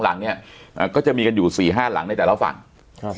หลังเนี้ยอ่าก็จะมีกันอยู่สี่ห้าหลังในแต่ละฝั่งครับ